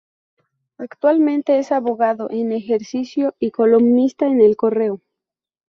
Actualmente es abogado en ejercicio y columnista en el Correo.